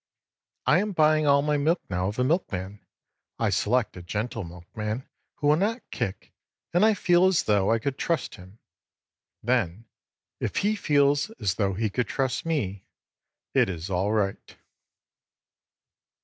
I am buying all my milk now of a milk man. I select a gentle milk man who will not kick and I feel as though I could trust him. Then if he feels as though he could trust me, it is all right.